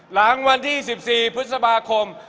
หลังวันที่๑๔พฤษภาคม